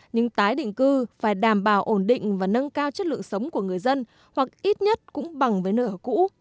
nhưng tái định cư phải đảm bảo ổn định và nâng cao chất lượng sống của người dân hoặc ít nhất cũng bằng với nơi ở cũ